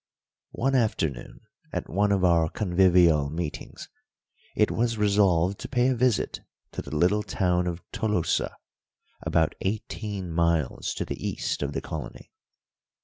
One afternoon, at one of our convivial meetings, it was resolved to pay a visit to the little town of Tolosa, about eighteen miles to the east of the colony.